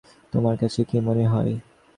তোমার কাছে কী মনে হয়?